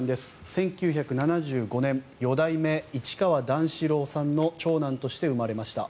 １９７５年四代目市川段四郎さんの長男として生まれました。